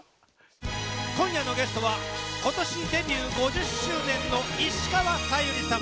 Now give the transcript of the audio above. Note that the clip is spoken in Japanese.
今夜のゲストは今年デビュー５０周年の石川さゆりさん。